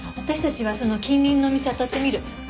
私たちはその近隣のお店あたってみる。